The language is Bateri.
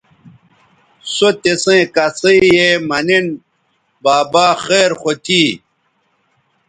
سو تسیئں کسئ یے مہ نِن بابا خیر خو تھی